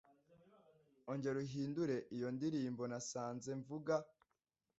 ongera uhindure iyo ndirimboNahise mvuga